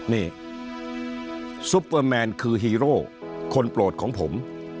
นี่ซุปเปอร์แมนคือฮีโร่คนโปรดของผม